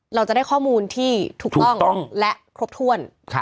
เราจะได้ข้อมูลที่ถูกต้องและครบถ้วน